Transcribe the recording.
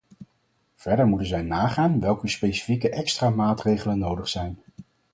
Verder moeten zij nagaan welke specifieke extra maatregelen nodig zijn.